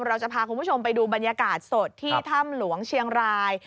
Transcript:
เราจะพาคุณผู้ชมไปดูบรรยากาศสดที่ถ้ำหลวงเชียงราย